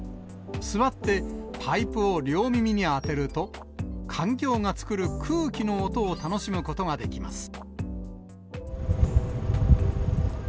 座って、パイプを両耳に当てると、環境が作る空気の音を楽しむことができます。